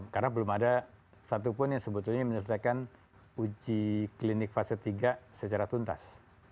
karena belum ada satu pun yang sebetulnya menyelesaikan uji klinik fase tiga secara tuntas